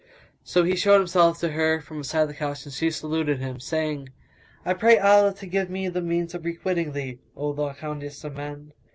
So he showed himself to her from beside the couch and she saluted him, saying, "I pray Allah to give me the means of requiting thee, O kindest of men!"